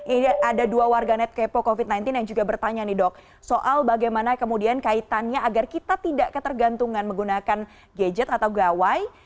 ini ada dua warganet kepo covid sembilan belas yang juga bertanya nih dok soal bagaimana kemudian kaitannya agar kita tidak ketergantungan menggunakan gadget atau gawai